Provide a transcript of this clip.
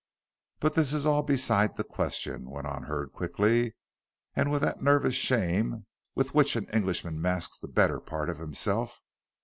But this is all beside the question," went on Hurd quickly, and with that nervous shame with which an Englishman masks the better part of himself.